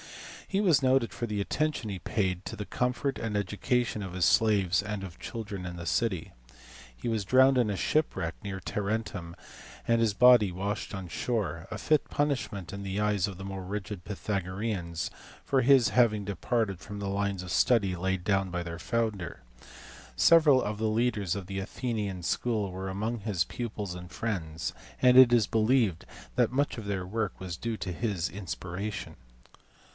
He was noted for the attention he paid to the comfort and education of his slaves and of children in the city. He was drowned in a shipwreck near Tarentum, and his body washed on shore: a fit punishment, in the eyes of the more rigid Pythagoreans, for his having departed from the lines of study laid down by their founder. Several of the leaders of the Athenian school were among his pupils and friends, and it is believed that much of their work was due to his inspiration.